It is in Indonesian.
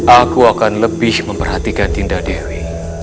aku akan lebih memperhatikan tindadewi